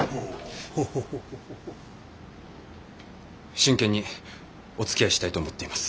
真剣におつきあいしたいと思っています。